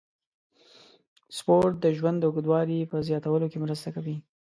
سپورت د ژوند د اوږدوالي په زیاتولو کې مرسته کوي.